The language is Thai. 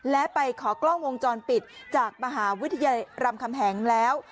และไปขอกล้องวงจรปิดจากมหาวิทยาลัยรามคำแหงแล้ว